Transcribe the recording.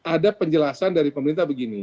ada penjelasan dari pemerintah begini